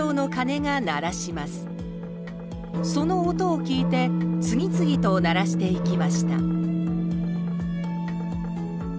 その音を聞いて次々と鳴らしていきました